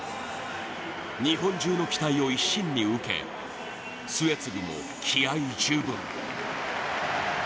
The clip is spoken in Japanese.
日本中の期待を一身に受け末續も、気合い十分。